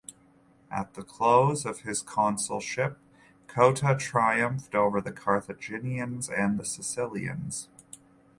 At the close of his consulship Cotta triumphed over the Carthaginians and Sicilians.